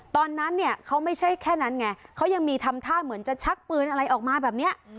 ตอนนั้นเนี่ยเขาไม่ใช่แค่นั้นไงเขายังมีทำท่าเหมือนจะชักปืนอะไรออกมาแบบนี้